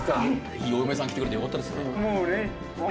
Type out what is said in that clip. いいお嫁さん来てくれてよかったですね。